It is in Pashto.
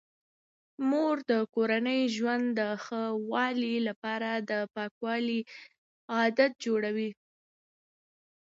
مور د کورني ژوند د ښه والي لپاره د پاکوالي عادات جوړوي.